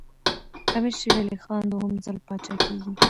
امیر شېر علي خان دوهم ځل پاچا کېږي.